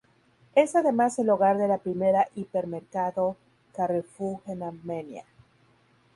Es además el hogar de la primera hipermercado Carrefour en Armenia.